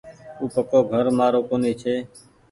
اي پڪو گهر مآرو ڪونيٚ ڇي ۔